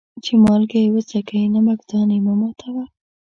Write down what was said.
چي مالگه يې وڅکې ، نمک دان يې مه ماتوه.